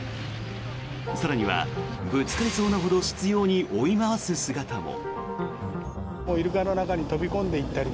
更には、ぶつかりそうなほど執ように追い回す姿も。